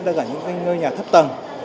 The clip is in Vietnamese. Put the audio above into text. đặc biệt là những nhà thấp tầng